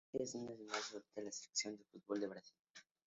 Henrique es internacional absoluto con la Selección de fútbol de Brasil.